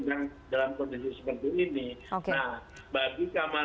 nah bagi kamala harris kesempatan ini lebih juga untuk menunjukkan siapa dia